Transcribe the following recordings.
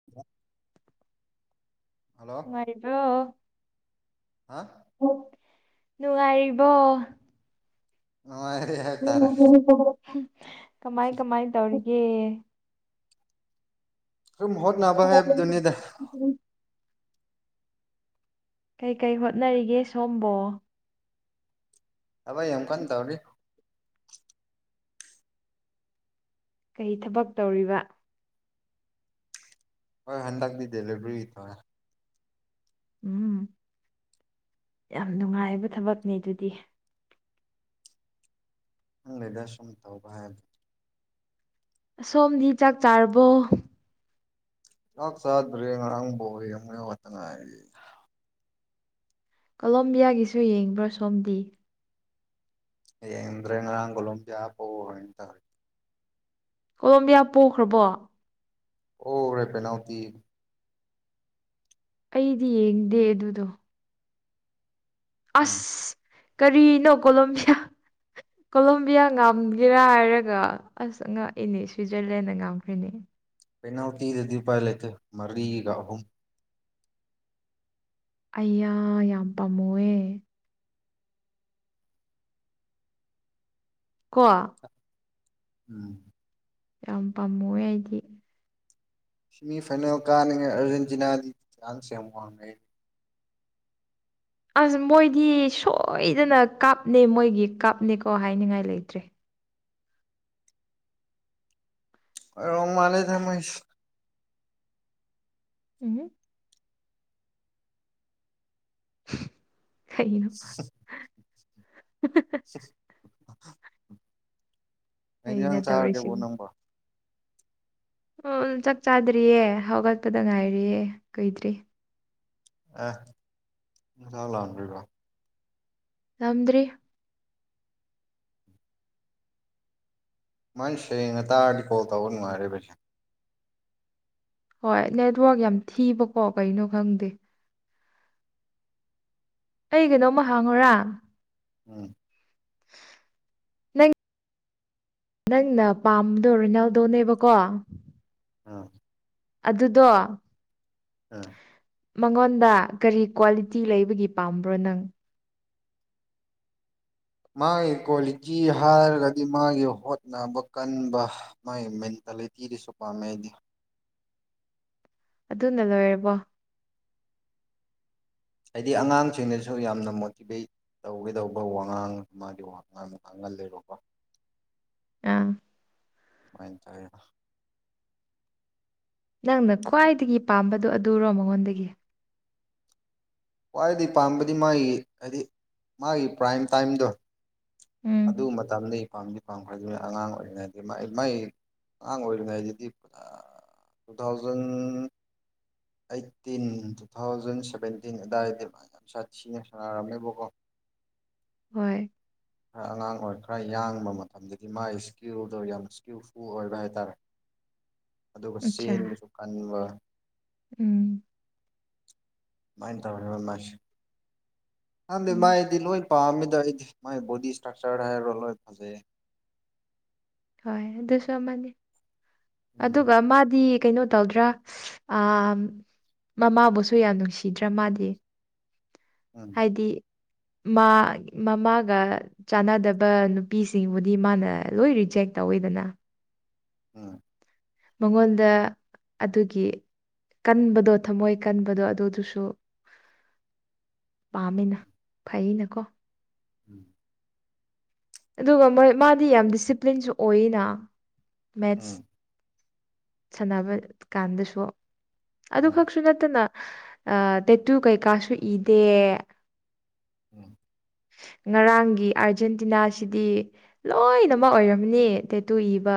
[inaudible] hello ꯃꯔꯤꯕ꯭ꯔꯣ ꯍꯥ ꯅꯨꯡꯉꯥꯏꯔꯤꯕꯣ ꯅꯨꯡꯉꯥꯏ [unintelligible] [unintelligible] ꯀꯃꯥꯏ ꯀꯃꯥꯏ ꯇꯧꯔꯤꯒꯦ ꯑꯗꯨꯝ ꯍꯣꯠꯅꯕ ꯍꯥꯏꯕ ꯗꯨꯅꯤꯗ ꯀꯩꯀꯩ ꯍꯣꯠꯅꯔꯤꯒꯦ ꯁꯣꯝꯕꯣ ꯑꯚꯩ ꯌꯥꯝ ꯀꯟ ꯇꯧꯔꯤ ꯀꯩ ꯊꯕꯛ ꯇꯧꯔꯤꯕ ꯍꯣꯏ ꯍꯟꯗꯛꯗꯤ ꯗꯦꯂꯩꯕ꯭ꯔꯤ [unintelligible] ꯎꯝ ꯌꯥꯝ ꯅꯨꯡꯉꯥꯏꯕ ꯊꯕꯛꯅꯦ ꯑꯗꯨꯗꯤ ꯎ ꯂꯩꯗꯁꯨꯝ [unintelligible] ꯁꯣꯝꯗꯤ ꯆꯥꯛ ꯆꯥꯔꯕꯣ ꯆꯥꯛ ꯆꯥꯗ꯭ꯔꯦ ꯉꯔꯥꯡ ꯕꯣꯜ [unintelligible] ꯀꯣꯂꯣꯝꯕꯤꯌꯥꯒꯤꯁꯨ ꯌꯦꯡꯕ꯭ꯔꯥ ꯁꯣꯝꯗꯤ ꯌꯦꯡꯗ꯭ꯔꯦ ꯉꯥꯡꯒꯣꯂꯣꯕꯤ ꯌꯥ [unintelligible] ꯀꯣꯂꯣꯝꯕꯤꯌꯥ ꯄꯣꯛꯈ꯭ꯔꯕꯣ ꯑꯣꯔꯦ ꯄꯅꯥꯎꯇꯤ ꯑꯩꯗꯤ ꯌꯦꯡꯗꯦ ꯑꯗꯨꯗꯣ ꯎꯝ ꯑꯁ ꯀꯔꯤꯅꯣ ꯀꯣꯂꯣꯝꯕꯤꯌꯥ ꯀꯣꯂꯣꯕꯤꯌꯥ ꯉꯝꯒꯦꯔꯥ ꯍꯥꯏꯔꯒ ꯑꯁ ꯉꯥꯛꯏꯅꯦ ꯁ꯭ꯋꯤꯖꯔꯂꯦꯟꯗ ꯉꯥꯡꯈ꯭ꯔꯤꯅꯦ ꯄꯦꯅꯥꯜꯇꯤꯗꯗꯤ ꯎꯄꯥꯂꯩꯇꯦ ꯃꯔꯤꯒ ꯑꯍꯨꯝ ꯑꯩꯌꯥ ꯌꯥꯝ ꯄꯥꯝꯃꯨꯑꯦ ꯀꯣ ꯎꯝ ꯌꯥꯝ ꯄꯥꯝꯃꯦ ꯑꯩꯗꯤ ꯁꯤꯃꯤ ꯐꯥꯏꯅꯦꯜ ꯀꯥꯅꯉꯩ ꯑꯥꯔꯖꯦꯟꯇꯤꯅꯥꯒꯤ ꯆꯥꯡꯁ ꯌꯥꯝ ꯋꯥꯡꯅꯩ ꯑꯁ ꯃꯣꯏꯗꯤ ꯁꯣꯏꯗꯅ ꯀꯥꯞꯅꯦ ꯃꯣꯏꯒꯤ ꯀꯥꯞꯅꯦꯀꯣ ꯍꯥꯏꯅꯤꯡꯉꯥꯏ ꯂꯩꯇ꯭ꯔꯦ ꯔꯣ ꯃꯥꯅꯦ ꯊꯃꯦꯥꯏ [inaudible] [unintelligible] ꯎꯝ [unintelligible] [inaudible] ꯀꯩꯅꯣ ꯑꯩꯩꯅ ꯑꯩꯅ ꯅꯪ ꯆꯥꯔꯒꯦꯕꯣ ꯇꯧꯔꯤꯁꯤꯕꯨ ꯅꯪꯝꯕ [inaudible] ꯑꯣ ꯆꯥꯛ ꯆꯥꯗ꯭ꯔꯤꯌꯦ ꯍꯧꯒꯠꯄꯗ ꯉꯥꯏꯔꯤꯌꯦ ꯀꯨꯏꯗ꯭ꯔꯤ ꯑ ꯂꯥꯛ ꯂꯥꯎꯑꯗꯔꯣ [inaudible] ꯅꯝꯗ꯭ꯔꯤ ꯃꯥꯥꯏ ꯁꯦꯡꯅ ꯇꯥꯔꯗꯤ ꯀꯣꯜ ꯇꯧꯕ ꯅꯨꯡꯉꯥꯏꯔꯔꯤꯕꯁꯦ ꯍꯣꯏ ꯅꯦꯠꯋꯛ ꯌꯥꯝ ꯊꯤꯕꯀꯣ ꯀꯩꯅꯣ ꯈꯪꯗꯦ ꯑꯩ ꯀꯩꯅꯣꯝꯃ ꯍꯥꯡꯉꯨꯔꯥ ꯎꯝ [unintelligible] [inaudible] ꯅꯪ ꯅꯪꯅ ꯄꯥꯝꯕꯗꯣ ꯔꯤꯅꯥꯜꯗꯣꯅꯦꯕꯀꯣ ꯑꯥ ꯑꯗꯨꯗꯣ ꯑꯝ ꯃꯉꯣꯟꯗ ꯀꯔꯤ ꯀ꯭ꯋꯥꯂꯤꯇꯤ ꯂꯩꯕꯒꯤ ꯄꯥꯝꯕ꯭ꯔꯣ ꯅꯪ ꯃꯥꯒꯤ ꯀ꯭ꯋꯥꯂꯤꯇꯤ ꯍꯥꯏꯔꯒꯗꯤ ꯃꯥꯒꯤ ꯍꯣꯠꯅꯕ ꯀꯟꯕ ꯃꯥꯏ ꯃꯇ ꯂꯩꯦꯇꯤꯔꯤꯁꯨꯣꯄꯝꯃꯦꯗꯤ ꯑꯗꯨꯅ ꯂꯣꯏꯔꯕꯣ ꯍꯥꯏꯗꯤ ꯑꯉꯥꯡꯁꯤꯡꯅꯁꯨ ꯌꯥꯝꯅ ꯃꯣꯇꯤꯚꯦꯠ ꯇꯧꯒꯦꯗꯧꯕ ꯋꯥꯉꯥꯡ ꯃꯥꯒꯤ ꯋꯥꯉꯥꯡ ꯉꯥꯡꯍꯜꯂꯕꯣꯀꯣ ꯑ ꯑꯗꯨꯃꯥꯏꯅ ꯇꯔꯦ ꯅꯪꯅ ꯈ꯭ꯋꯥꯏꯗꯒꯤ ꯄꯥꯝꯕꯗꯣ ꯑꯗꯨꯔꯣ ꯃꯉꯣꯟꯗꯒꯤ ꯈ꯭ꯋꯥꯏꯗꯩ ꯄꯥꯝꯕꯗꯤ ꯃꯥꯒꯤ ꯍꯥꯏꯗꯤ ꯃꯥꯒꯤ ꯄ꯭ꯔꯥꯏꯝ ꯇꯥꯏꯝꯗꯣ ꯎꯝ ꯑꯗꯨ ꯃꯇꯝꯗ ꯄꯥꯝꯗꯤ ꯄꯥꯝꯈ꯭ꯔꯗꯨꯅꯤ ꯑꯉꯥꯡ ꯑꯣꯏꯔꯤꯉꯩꯗꯤ ꯃꯥꯏ ꯑꯉꯥꯡ ꯑꯣꯏꯔꯤꯉꯩꯗꯗꯤ ꯄꯨ two thousand eighteen two thousand seventeen ꯑꯗꯨꯋꯥꯏꯗ ꯌꯥꯝ ꯁꯥꯊꯤꯅ ꯁꯥꯟꯅꯔꯝꯃꯦꯕꯀꯣ ꯍꯣꯏ ꯈꯔ ꯑꯉꯥꯡ ꯑꯣꯏꯔ ꯈꯔ ꯌꯥꯡꯕ ꯃꯇꯝꯗꯗꯤ ꯃꯥꯒꯤ ꯏꯁꯀꯤꯜꯗꯣ ꯌꯥꯝ ꯏꯁꯀꯤꯜꯐꯨꯜ ꯑꯣꯏꯕ ꯍꯥꯏꯇꯥꯔꯦ ꯑꯗꯨꯒ ꯑꯠꯆꯥ ꯆꯦꯟꯕꯁꯨ ꯀꯟꯕ ꯎꯝ ꯃꯥꯏꯅ ꯊ ꯃꯥꯁ ꯍꯗꯤ ꯎꯝ ꯃꯥꯏꯗꯤ ꯂꯣꯏ ꯄꯥꯝꯃꯤꯗ ꯑꯩꯗꯤ ꯃꯥꯏ ꯕꯣꯗꯤ ꯏꯁꯇ꯭ꯔꯛꯆꯔ ꯍꯥꯏꯔꯔꯣ ꯂꯣꯏ ꯐꯖꯩꯌꯦ ꯍꯣꯏ ꯑꯗꯨꯁꯨ ꯑꯃꯅꯤ ꯑꯗꯨꯒ ꯎꯝ ꯃꯥꯗꯤ ꯀꯩꯅꯣ ꯇꯧꯗ꯭ꯔꯥ ꯑ ꯃꯃꯥꯕꯨꯁꯨ ꯌꯥꯝ ꯅꯨꯡꯁꯤꯗ꯭ꯔꯥ ꯃꯥꯗꯤ ꯎꯝ ꯍꯥꯏꯗꯤ ꯃꯥ ꯃꯃꯥꯒ ꯆꯥꯟꯅꯗꯕ ꯅꯨꯄꯤꯁꯤꯡꯕꯨꯗꯤ ꯃꯥꯅ ꯂꯣꯏ ꯔꯤꯖꯦꯛ ꯇꯧꯋꯤꯗꯅ ꯎꯝ ꯃꯉꯣꯟꯗ ꯑꯗꯨꯒꯤ ꯀꯟꯕꯗꯣ ꯊꯝꯃꯣꯏ ꯀꯟꯕꯗꯣ ꯑꯗꯨꯗꯨꯁꯨ ꯄꯥꯝꯃꯤꯅ ꯐꯩꯅꯀꯣ ꯎꯝ ꯑꯗꯨꯒ ꯃꯣꯏ ꯃꯥꯗꯤ ꯌꯥꯝ ꯗꯤꯁꯤꯄ꯭ꯂꯤꯟꯁꯨ ꯑꯣꯏꯅ ꯃꯦꯠꯁ ꯎꯝ ꯁꯥꯟꯅꯕ ꯀꯥꯟꯗꯁꯨ ꯑꯗꯨ ꯎꯝ ꯈꯛꯁꯨ ꯅꯠꯇꯅ ꯑ ꯇꯦꯠꯇꯨ ꯀꯩꯀꯥꯁꯨ ꯏꯗꯦ ꯎꯝ ꯉꯔꯥꯡꯒꯤ ꯑꯥꯔꯖꯦꯟꯇꯤꯅꯥꯁꯤꯗꯤ ꯂꯣꯏꯅꯃꯛ ꯑꯣꯏꯔꯝꯅꯦ ꯇꯦꯇꯨ ꯏꯕ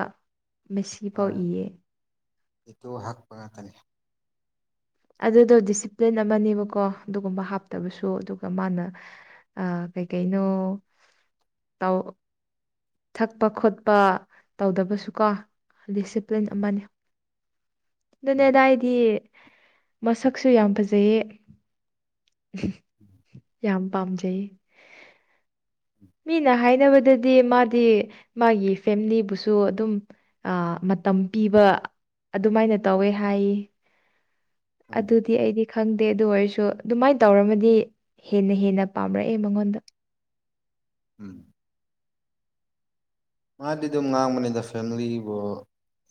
ꯃꯦꯁꯤ ꯐꯥꯎ ꯏꯌꯦ ꯏꯠꯇ ꯍꯥꯛꯄꯒꯇꯅꯦꯦ ꯑꯗꯨꯗꯣ ꯗꯤꯁꯤꯄ꯭ꯂꯤꯟ ꯑꯃꯅꯦꯕꯀꯣ ꯑꯗꯨꯒꯨꯝꯕ ꯍꯥꯞꯇꯕꯁꯨ ꯑꯗꯨꯒ ꯃꯥꯅ ꯑ ꯀꯩꯀꯩꯅꯣ ꯇ ꯊꯛꯄ ꯈꯣꯠꯄ ꯇꯧꯗꯕꯁꯨꯀꯣ ꯗꯤꯁꯤꯄ꯭ꯂꯤꯟ ꯎꯝ ꯑꯃꯅꯤ ꯎꯝ ꯑꯗꯨꯅꯦꯗ ꯍꯥꯏꯗ ꯇ ꯃꯁꯛꯁꯨ ꯌꯥꯝ ꯐꯖꯩꯌꯦ ꯎꯝ ꯌꯥꯝ ꯄꯥꯝꯖꯩ ꯃꯤꯅ ꯍꯥꯏꯅꯕꯗꯗꯤ ꯃꯥꯗꯤ ꯃꯥꯒꯤ ꯐꯦꯃꯤꯂꯤꯕꯨꯁꯨ ꯑꯗꯨꯝ ꯃꯇꯝ ꯄꯤꯕ ꯑꯗꯨꯃꯥꯏꯅ ꯇꯧꯋꯦ ꯍꯥꯏꯌꯦ ꯎꯝ ꯑꯗꯨꯗꯤ ꯑꯩꯗꯤ ꯈꯪꯗꯦ ꯑꯗꯨ ꯑꯣꯏꯔꯁꯨ ꯑꯗꯨꯃꯥꯏꯅ ꯇꯧꯔꯝꯃꯗꯤ ꯍꯦꯟꯅ ꯍꯦꯟꯅ ꯄꯥꯝꯔꯛꯑꯦ ꯃꯉꯣꯟꯗ ꯎꯝ ꯃꯥꯗꯤ ꯑꯗꯨꯝ ꯉꯥꯡꯕꯅꯤꯗ ꯐꯦꯃꯤꯂꯤꯕꯨ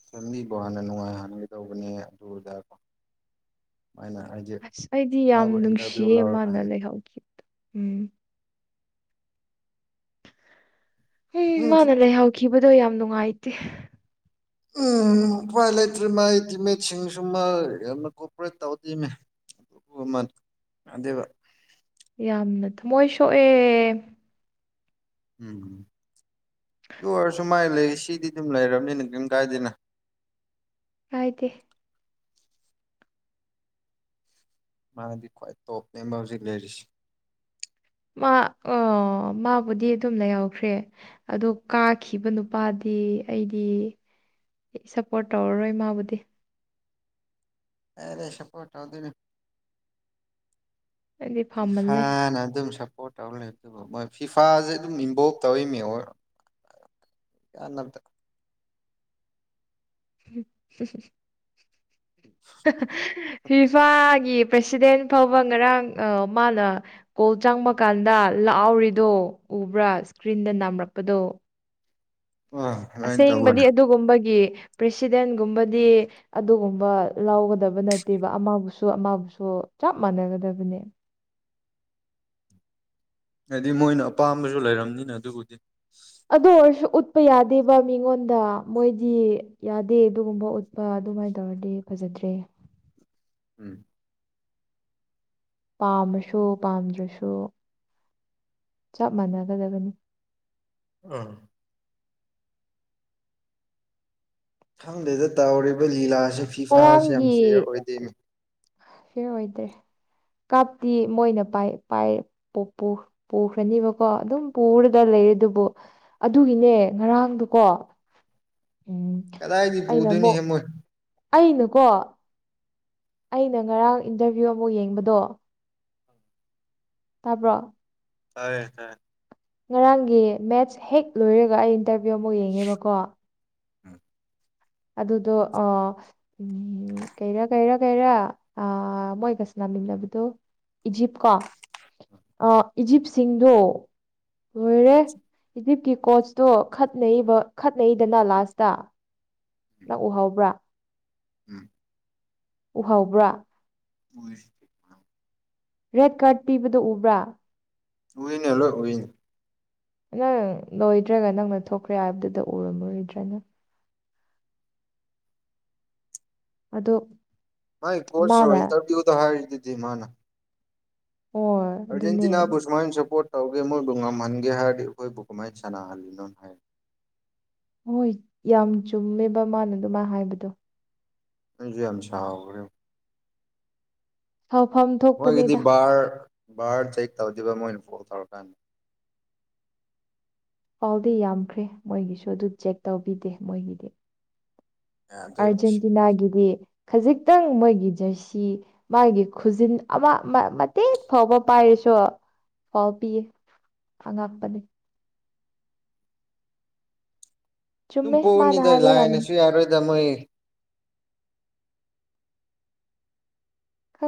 ꯐꯦꯂꯤꯕꯨꯣ ꯍꯥꯟꯅ ꯅꯨꯡꯉꯥꯏ ꯍꯥꯟꯅꯒ ꯇꯧꯕꯅꯦ ꯑꯗꯨꯗꯀꯣ ꯁꯨꯃꯥꯏꯅ ꯍꯥꯏꯖ ꯑꯁ ꯑꯩꯗꯤ ꯌꯥꯝ ꯅꯨꯡꯁꯤꯌꯦ ꯃꯥꯅ ꯂꯩꯍꯧꯈꯤꯕꯗꯣ ꯎꯝ ꯎꯝ ꯃꯥꯅ ꯂꯩꯍꯥꯎꯈꯤꯕꯗꯣ ꯌꯥꯝ ꯅꯨꯡꯉꯥꯏꯇꯦ ꯎꯝ ꯈ꯭ꯄꯥꯏ ꯂꯩꯇ꯭ꯔꯤ ꯃꯥꯏ ꯇꯤꯝꯃꯦꯠꯁꯤꯡꯁꯨꯃ ꯌꯥꯝꯅ ꯀꯣꯑꯣꯄꯔꯦꯠ ꯇꯧꯗ‌ꯦꯅ‌ꯦ ꯎꯃ ꯑꯟꯗ‌ꯦꯕ ꯌꯥꯝꯅ ꯊꯃꯣꯏ ꯁꯣꯛꯑꯦ ꯎꯝ ꯑꯗꯨ ꯑꯣꯏꯔꯁꯨꯃꯥꯏ ꯂꯩ ꯁꯤꯗꯤ ꯑꯗꯨꯝ ꯂꯩꯔꯕꯅꯤ ꯅꯤꯡ ꯀꯔꯤꯝ ꯀꯥꯏꯗꯅ ꯍꯥꯏꯗꯤ ꯃꯥꯗꯤ ꯈ꯭ꯋꯥꯏ ꯇꯣꯞ ꯃꯦꯝꯕ ꯍꯧꯖꯤꯛ ꯂꯩꯔꯤꯁꯤ ꯃꯥ ꯑꯣ ꯃꯥꯕꯨꯗꯤ ꯑꯗꯨꯝ ꯂꯩꯍꯎꯈ꯭ꯔꯦ ꯑꯗꯣ ꯀꯥꯈꯤꯕ ꯅꯨꯄꯥꯗꯤ ꯑꯩꯗꯤ ꯑꯩ ꯁꯞꯄꯣꯔꯠ ꯇꯧꯔꯔꯣꯏ ꯃꯥꯕꯨꯗꯤ ꯑꯦ ꯁꯄꫭꯠ ꯇꯧꯗꯩꯅ‌ꯦ ꯑꯩꯗꯤ ꯐꯥꯃꯜꯂꯦ ꯏꯐꯥꯅ ꯑꯗꯨꯝ ꯁꯞꯄꯣꯔꯠ ꯇꯧꯔꯦ ꯑꯗꯨꯕꯨ ꯃꯣꯏ ꯐꯤꯐꯥꯁꯦ ꯑꯗꯨꯝ ꯏꯝꯕꯣꯞ ꯇꯧꯔꯤꯅꯦ ꯑꯣ ꯀꯥꯟꯅꯕꯗ ꯍꯝ ꯐꯤꯐꯥꯒꯤ ꯄ꯭ꯔꯁꯤꯗꯦꯟ ꯐꯥꯎꯕ ꯉꯔꯥꯡ ꯃꯥꯅ ꯀꯣꯜ ꯆꯪꯕ ꯀꯥꯟꯗ ꯂꯥꯛꯍꯎꯔꯤꯗꯣ ꯎꯕ꯭ꯔꯥ ꯏꯁꯀ꯭ꯔꯤꯟꯗ ꯅꯝꯔꯛꯄꯗꯣ ꯑ ꯑꯗꯨꯃꯥꯏꯅ ꯑꯁꯦꯡꯕꯗꯤ ꯇꯧꯕꯅ ꯑꯗꯨꯒꯨꯝꯕꯒꯤ ꯄ꯭ꯔꯦꯁꯤꯗꯦꯟꯒꯨꯝꯕꯗꯤ ꯑꯗꯨꯒꯨꯝꯕ ꯂꯧꯥꯎꯒꯗꯕ ꯅꯠꯇꯦꯕ ꯑꯃꯕꯨꯁꯨ ꯑꯃꯕꯨꯁꯨ ꯆꯞ ꯃꯥꯟꯅꯒꯗꯕꯅꯦ ꯍꯥꯏꯗꯤ ꯃꯣꯏꯅ ꯑꯄꯥꯝꯕꯁꯨ ꯂꯩꯔꯝꯅꯤꯅ ꯑꯗꯨꯕꯨꯗꯤ ꯑꯗꯨ ꯑꯣꯏꯔꯁꯨ ꯎꯠꯄ ꯌꯥꯗꯦꯕ ꯃꯤꯉꯣꯟꯗ ꯃꯣꯏꯗꯤ ꯌꯥꯗꯦ ꯑꯗꯨꯒꯨꯝꯕ ꯎꯠꯄ ꯑꯗꯨꯃꯥꯏꯅ ꯇꯧꯔꯗꯤ ꯐꯖꯗ꯭ꯔꯦ ꯎꯝ ꯄꯥꯝꯃꯁꯨ ꯄꯥꯝꯗ꯭ꯔꯁꯨ ꯆꯞ ꯃꯥꯟꯅꯒꯗꯕꯅꯤ ꯎꯝ ꯈꯪꯗꯦꯗ ꯇꯥꯎꯔꯤꯕ ꯂꯤꯂꯥꯁꯦ ꯐꯤꯐꯥꯥꯁꯦ ꯌꯥꯝ ꯐꯤꯌꯔ ꯑꯣꯏꯗꯣꯏꯅꯤ ꯐꯤ ꯑꯣꯏꯗ꯭ꯔꯦ ꯀꯥꯞꯇꯤ ꯃꯣꯏꯅ ꯄꯥꯏ ꯄꯥꯏ ꯄꯣꯛꯄꯨ ꯄꯨꯈ꯭ꯔꯅꯦꯕꯀꯣ ꯑꯗꯨꯝ ꯄꯨꯔꯒ ꯂꯩꯔꯦ ꯑꯗꯨꯕꯨ ꯑꯗꯨꯒꯤꯅꯦ ꯉꯔꯥꯡꯗꯨꯀꯣ ꯎꯝ ꯀꯗꯥꯏꯗꯤ ꯑꯩꯅ ꯄꯨꯗꯣꯏꯅꯤ ꯑꯃꯨꯛ ꯍꯦꯃꯣꯏ ꯑꯩꯅꯀꯣ ꯑꯩꯅ ꯉꯔꯥꯡ ꯏꯟꯇꯔꯚ꯭ꯌꯨ ꯑꯃꯨꯛ ꯌꯦꯡꯕꯗꯣ ꯇꯥꯕ꯭ꯔꯣ ꯇꯥꯏꯌ‌ꯦ ꯇꯥꯏꯌ‌ꯦ ꯉꯔꯥꯡꯒꯤ ꯃꯦꯠꯁ ꯍꯦꯛ ꯂꯣꯏꯔꯒ ꯑꯩ ꯏꯟꯇꯔꯚꯤꯌꯨ ꯑꯃꯨꯛ ꯌꯦꯡꯉꯦꯕꯀꯣ ꯎꯝ ꯑꯗꯨꯗꯣ ꯑ ꯎꯝ ꯀꯩꯔꯥ ꯀꯩꯔꯥ ꯀꯩꯔ ꯑ ꯃꯣꯏꯒ ꯁꯅꯥꯃꯤꯟꯅꯕꯗꫭ ꯏꯖꯤꯞ ꯀ ꯑ ꯏꯖꯤꯞꯁꯤꯡꯗꯣ ꯂꯣꯏꯔꯦ ꯏꯖꯤꯞꯀꯤ ꯀꯣꯆꯇꯣ ꯈꯠꯅꯩꯔꯤꯕ ꯈꯠꯅꯩꯗꯅ ꯂꯥꯁꯇ ꯅꯪ ꯎꯍꯕ꯭ꯔꯥ ꯎꯝ ꯎꯍꯧꯕ꯭ꯔꯥ ꯎꯏ ꯔꯦꯠ ꯀꯥꯔꯠ ꯄꯤꯕꯗꯣ ꯎꯕ꯭ꯔꯥ ꯎꯏꯅ‌ꯦ ꯂꯣꯏ ꯎꯏꯅ‌ꯦ ꯅꯪ ꯂꯣꯏꯗ꯭ꯔꯒ ꯅꯪꯅ ꯊꯣꯛꯈ꯭ꯔꯦ ꯍꯥꯏꯕꯗꯨꯗ ꯎꯔꯝꯃꯔꯣꯏꯗ꯭ꯔꯥ ꯅ ꯑꯗꯣ ꯃꯥꯥꯏ ꯀꯣꯔꯁ ꯔꯣ ꯃꯥꯅ ꯏꯟꯇꯔꯚꯌꯨ ꯍꯥꯏꯔꯔꯤꯤ ꯃꯥꯅ ꯑꯣ ꯑꯥꯔꯖꯦꯟꯇꯤꯅꯥꯕꯨ ꯁꯨꯃꯥꯏꯅ ꯁꯞꯄꯣꯔꯠ ꯇꯧꯒꯦ ꯃꯣꯏꯕꯨ ꯉꯝꯍꯟꯒꯦ ꯍꯥꯏꯔꯗꯤ ꯑꯩꯈꯣꯏꯕꯨ ꯀꯃꯥꯏꯅ ꯁꯥꯟꯅꯍꯜꯂꯤꯅꯣ ꯍꯥꯏ ꯍꯣꯏ ꯌꯥꯝ ꯆꯨꯝꯃꯦꯕ ꯃꯥꯅ ꯑꯗꯨꯃꯥꯏꯅ ꯍꯥꯏꯕꯗꯣ ꯅꯪꯁꯨ ꯌꯥꯝ ꯁꯥꯈ꯭ꯔꯣ ꯐꯥꯎ ꯐꯝꯗ ꯃꯣꯏꯒꯤꯗꯤ ꯕꯥꯔ ꯕꯥꯔ ꯆꯦꯛ ꯇꯧꯗꯕ ꯃꯣꯏꯅ ꯐꯣꯜ ꯇꯧꯔꯀꯥꯟꯗ ꯄꯥꯎꯗꯤ ꯌꯥꯝꯈ꯭ꯔꯦ ꯃꯣꯏꯒꯤꯁꯨ ꯑꯗꯨ ꯆꯦꯛ ꯇꯧꯕꯤꯗꯦ ꯃꯣꯏꯒꯤꯗꯤ ꯌꯥꯗꯦꯕ ꯑꯗꯨꯝ ꯑꯥꯔꯖꯦꯟꯇꯤꯅꯥꯒꯤꯗꯤ ꯈꯖꯤꯛꯇꯪ ꯃꯣꯏꯒꯤ ꯖꯔꯁꯤ ꯃꯥꯒꯤ ꯈꯨꯖꯤꯟ ꯑꯃ ꯃꯇꯦꯛ ꯐꯥꯎꯕ ꯄꯥꯏꯔꯤꯁꯨ ꯐꯥꯎ ꯄꯤꯌꯦ ꯑ ꯉꯄꯅꯤ ꯑꯗꯨꯝ ꯆꯨꯝꯃꯦ ꯃꯥꯅ ꯄꯣꯛꯎꯅꯤꯗ ꯍꯥꯏꯕ ꯌꯥꯝ ꯂꯥꯏꯅꯁꯨ ꯌꯥꯔꯣꯏꯗ ꯃꯣꯏ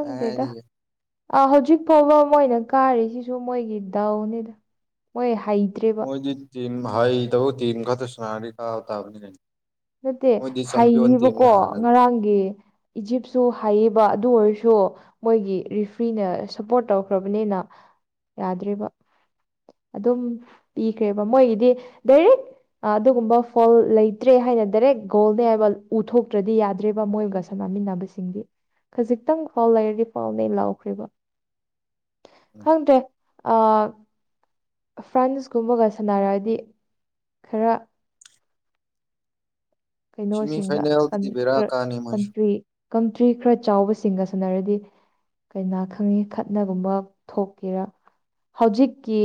ꯀꯥꯏ ꯍꯥꯏꯔꯤꯒꯦ ꯑ ꯍꯧꯖꯤꯛ ꯐꯥꯎꯕ ꯃꯣꯏꯅ ꯀꯥꯔꯤꯁꯤꯁꯨ ꯃꯣꯏꯒꯤ ꯗꯥꯎꯅꯤꯗ ꯃꯣꯏ ꯍ ꯃꯣꯏꯗꯤ ꯇꯤꯝ ꯍꯥꯏꯗꯕꯨ ꯇꯤꯝ ꯈꯛꯇ ꯁꯅꯥꯔꯅꯤ ꯀꯥ ꯇꯥꯕꯅꯤ ꯀꯩꯅꯣ ꯅꯠꯇꯦ ꯍꯩꯕꯀꯣ ꯉꯔꯥꯡꯒꯤ ꯏꯖꯤꯞꯁꯨ ꯍꯥꯏꯌꯦꯕ ꯑꯗꯨ ꯑꯣꯏꯔꯁꯨ ꯃꯣꯏꯒꯤ ꯔꯤꯐ꯭ꯔꯤꯅ ꯁꯞꯄꯣꯔꯠ ꯇꯧꯈ꯭ꯔꯕꯅꯤꯅ ꯌꯥꯗ꯭ꯔꯤꯕ ꯑꯗꯨꯝ ꯄꯤꯈ꯭ꯔꯦꯕ ꯃꯣꯏꯒꯤꯗꯤ ꯗꯥꯏꯔꯦꯛ ꯑꯗꯨꯒꯨꯝꯕ ꯐꯣꯜ ꯂꯩꯇ꯭ꯔꯦ ꯍꯥꯏꯅꯗꯤ ꯗꯥꯏꯔꯦꯛ ꯒꯣꯜꯅꯦ ꯍꯥꯏꯕ ꯎꯊꯣꯛꯇ꯭ꯔꯗꯤ ꯌꯥꯗ꯭ꯔꯦꯕ ꯃꯣꯏꯒ ꯁꯝꯅꯃꯤꯟꯅꯕꯁꯤꯡꯗꯤ ꯈꯖꯤꯛꯇꯪ ꯐꯥꯎ ꯂꯩꯔꯗꯤ ꯄꯥꯎꯅꯦ ꯑꯩ ꯂꯥꯎꯈ꯭ꯔꯤꯕ ꯎꯝ ꯈꯪꯗꯦ ꯑ ꯐ꯭ꯔꯥꯟꯁꯀꯨꯝꯕꯒ ꯁꯥꯟꯅꯔꯛꯑꯗꯤ ꯈꯔ ꯁꯤꯃꯤ ꯀꯩꯅꯣꯁꯤꯡꯒ ꯐꯥꯏꯅꯦꯜꯗꯗꯤ ꯕꯦꯔꯥ ꯀꯥꯅꯤ ꯃꯣꯏꯁꯨ ꯀꯟꯇ꯭ꯔꯤ ꯀꯟꯇ꯭ꯔꯤ ꯈꯔ ꯆꯥꯎꯕꯁꯤꯡꯒ ꯁꯥꯟꯅꯔꯗꯤ ꯀꯅꯥ ꯈꯪꯉꯤ ꯈꯠꯅꯒꯨꯝꯕ ꯊꯣꯛꯀꯦꯔꯥ ꯍꯧꯖꯤꯛꯀꯤ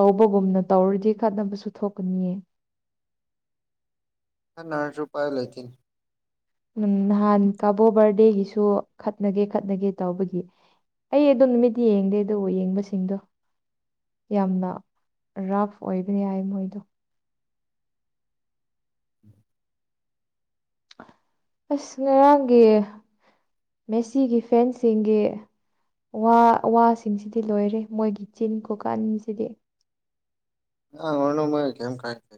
ꯇꯧꯕꯒꯨꯝꯅ ꯇꯧꯔꯗꯤ ꯈꯠꯅꯕꯁꯨ ꯊꯣꯛꯀꯅꯤꯌꯦ ꯍ ꯅꯅꯥꯔ ꯔꯨꯄꯥ ꯂꯩꯇ ꯎꯝ ꯅꯍꯥꯟ ꯀꯥꯕꯣ ꯕꯥꯔꯗꯦꯒꯤꯁꯨ ꯈꯠꯅꯒꯦ ꯈꯠꯅꯒꯦ ꯇꯧꯕꯒꯤ ꯑꯩ ꯑꯗꯨꯝ ꯅꯨꯃꯤꯠꯇ ꯌꯦꯡꯗꯦ ꯑꯗꯨꯕꯨ ꯌꯦꯡꯕꯁꯤꯡꯗꯣ ꯌꯥꯝꯅ ꯔꯐ ꯑꯣꯏꯕꯅꯤ ꯌꯥꯏ ꯃꯣꯏꯗꯣ ꯎꯝ ꯑꯁ ꯉꯔꯥꯡꯒꯤ ꯃꯦꯁꯤꯒꯤ ꯐꯦꯟꯁꯤꯡꯒꯤ ꯋꯥ ꯋꯥꯁꯤꯡꯁꯤꯗꯤ ꯂꯣꯏꯔꯦ ꯃꯣꯏꯒꯤ ꯆꯤꯟ ꯀꯣꯀꯥꯟꯁꯤꯗꯤ ꯑ ꯍꯝꯥꯏꯛꯦ ꯀꯥꯏꯇ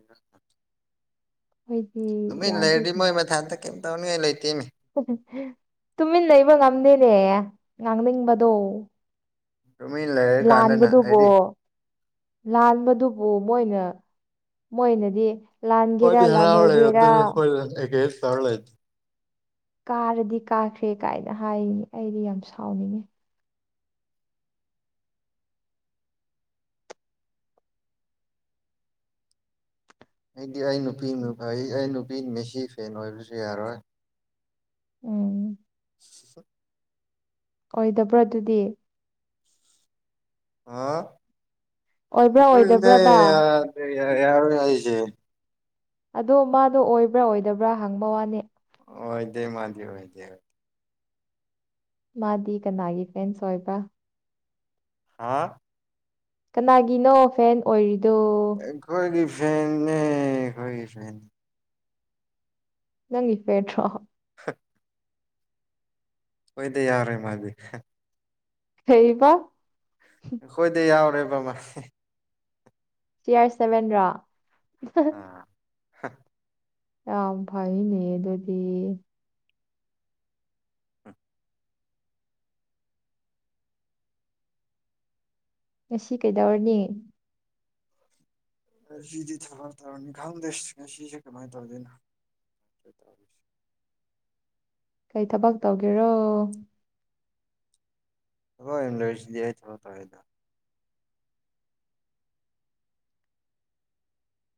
ꯑꯩꯈꯣꯏꯗꯤ ꯑꯗꯨ ꯌꯥꯗꯦ ꯂꯩꯔꯔꯤ ꯃꯣꯏ ꯃꯊꯥꯗ ꯀꯩꯝ ꯇꯧꯅꯤꯡꯉꯥꯏ ꯂꯩꯇꯦꯅꯦ ꯇꯨꯃꯤꯟꯅ ꯂꯩꯩꯕ ꯉꯝꯗꯦꯅꯦ ꯉꯥꯡꯅꯤꯡꯕꯗꯣ ꯇꯃꯤ ꯂꯩꯦ ꯂꯥꯟꯕꯗꯨꯕꯣ ꯂꯥꯟꯕꯗꯨꯕꯨ ꯃꯣꯏꯅ ꯃꯣꯏꯅꯗꯤ ꯂꯍꯥꯟꯒꯦꯔꯥ ꯂ ꯅꯣꯏꯒꯦꯔꯥ ꯦ ꯁꯔꯂ ꯀꯥꯔꯗꯤ ꯀꯥꯈ꯭ꯔꯦ ꯀꯥꯏꯅ ꯍꯥꯏꯅꯤ ꯑꯩꯗꯤ ꯌꯥꯝ ꯁꯥꯎꯅꯤꯡ ꯑꯩꯗꯤ ꯑꯩ ꯅꯨꯄꯤꯅ ꯐꯩ ꯑꯩ ꯅꯨꯄꯤ ꯃꯦꯁꯤ ꯐꯦꯟ ꯑꯣꯏꯕꯁꯨ ꯌꯥꯔꯣꯏ ꯎꯝ [unintelligible] ꯑꯣꯏꯗꯕ꯭ꯔ ꯑꯗꯨꯗꯤ ꯑꯥ ꯑꯣꯏꯕ꯭ꯔꯥ ꯑꯣꯏꯗꯕ꯭ꯔꯕ [unintelligible] ꯌꯥꯔ‌ꯣꯏ ꯍꯥꯏꯁꯦ ꯑꯗꯣ ꯃꯥꯗꯣ ꯑꯣꯏꯕ꯭ꯔꯥ ꯑꯣꯏꯗꯕ꯭ꯔꯥ ꯍꯪꯕ ꯋꯥꯅꯤ ꯑꯣꯏꯗꯦ ꯃꯥꯗꯤ ꯑꯣꯏꯗꯦ ꯃꯥꯗꯤ ꯀꯅꯥꯒꯤ ꯐꯦꯟꯁ ꯑꯣꯏꯕ ꯍꯥ ꯀꯅꯥꯒꯤꯅꯣ ꯐꯦꯟ ꯑꯣꯏꯔꯤꯗꯣ ꯈꯣꯏꯒꯤ ꯐꯦꯟꯅꯦ ꯈꯣꯏꯒꯤ ꯐꯦꯟ ꯅꯪꯒꯤ [unintelligible] ꯍ ꯑꯣꯏꯗꯦ ꯌꯥꯔꯣꯏ ꯃꯥꯗꯤ ꯀꯩꯕ ꯑꯩꯈꯣꯏꯗ ꯌꯥꯎꯔꯦ ꯃꯥꯁꯦ ꯁꯤ ꯑꯥꯔ ꯁꯚꯦꯟ ꯔꯣ ꯑꯥ ꯌꯥꯝ ꯐꯩꯅꯦ ꯑꯗꯨꯗꯤ ꯉꯁꯤ ꯀꯩꯗꯧꯔꯅꯤ ꯁꯤꯗꯤ ꯊꯕꯛ ꯇꯧꯔꯅꯤ ꯈꯪꯗꯦ ꯁꯤ ꯉꯁꯤꯁꯦ ꯀꯃꯥꯏꯅ ꯇꯧꯗꯣꯏꯅꯣ ꯀꯩ ꯊꯕꯛ ꯇꯧꯒꯦꯔꯣ [unintelligible] ꯊꯕꯛ ꯇꯧꯋꯦꯗ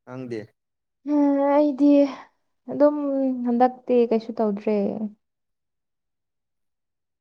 ꯅꯪꯗꯤ ꯑ ꯑꯩꯗꯤ ꯑꯗꯨꯝ ꯍꯟꯗꯛꯇꯤ ꯀꯩꯁꯨ ꯇꯧꯗ꯭ꯔꯦ